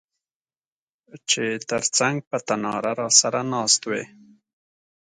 چي تر څنګ په تناره راسره ناست وې